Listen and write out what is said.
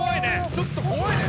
ちょっと怖いね。